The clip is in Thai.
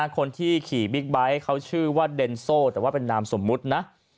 คนที่ขี่บิ๊กไบท์เขาชื่อว่าเดนโซ่แต่ว่าเป็นนามสมมุตินะ